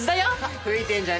吹いてんじゃねえよ。